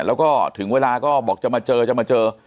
แล้วก็ถึงเวลาก็บอกจะมาเจอ